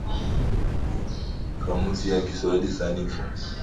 Kamusi ya Kiwahili sanifu